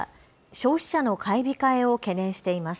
消費者の買い控えを懸念しています。